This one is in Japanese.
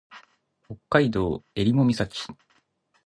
北海道襟裳岬